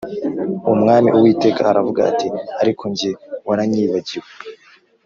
Umwami Uwiteka aravuga ati “ariko jye waranyibagiwe”